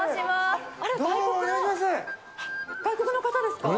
外国の方ですか？